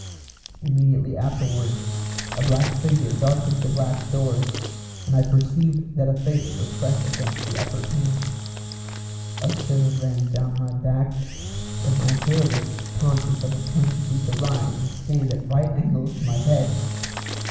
Immediately afterwards a black figure darkened the glass door, and I perceived that a face was pressed against the upper panes. A shiver ran down my back, and my hair was conscious of a tendency to rise and stand at right angles to my head.